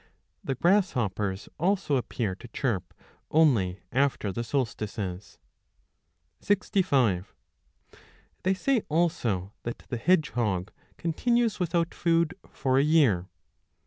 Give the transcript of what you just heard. The grasshoppers also appear to chirp only after the solstices. They say also that the hedgehog continues without food 65 for a year.